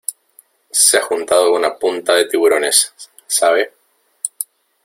se ha juntado una punta de tiburones, ¿ sabe?